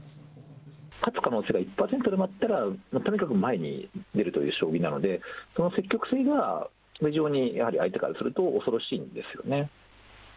勝つ可能性が１％でもあったら、とにかく前に出るという将棋なので、その積極性が、非常に相手からすると恐ろしいんですよね。